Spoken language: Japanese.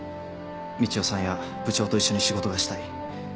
みちおさんや部長と一緒に仕事がしたい。